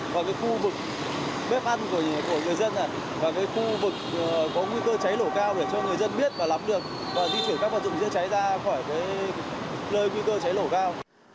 cái khu vực bếp ăn của người dân và cái khu vực có nguy cơ cháy lổ cao để cho người dân biết và lắm được và di chuyển các vật dụng chữa cháy ra khỏi cái nơi nguy cơ cháy lổ cao